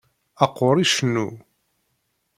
Aqqur icennu.